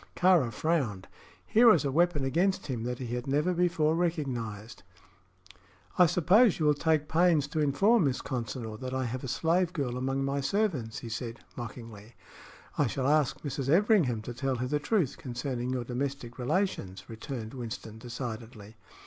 Kāra frowned. Here was a weapon against him that he had never before recognized. "I suppose you will take pains to inform Miss Consinor that I have a slave girl among my servants," he said, mockingly. "I shall ask Mrs. Everingham to tell her the truth concerning your domestic relations," returned Winston, decidedly.